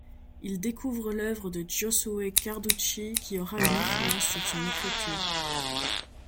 Il découvre l'œuvre de Giosuè Carducci qui aura une influence sur son écriture.